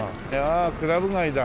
クラブ街だ。